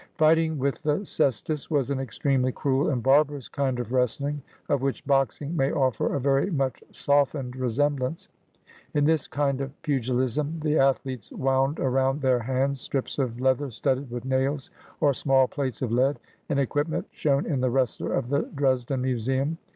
Fighting with the cestus was an extremely cruel and barbarous kind of wrestling of which boxing may offer a very much softened resemblance. In this kind of pugil ism the athletes wound around their hands strips of leather studded with nails or small plates of lead — an equipment shown in the Wrestler of the Dresden Museum.